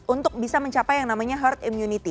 untuk bisa mencapai yang namanya herd immunity